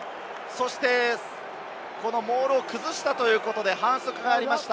そして、モールを崩したということで反則がありました。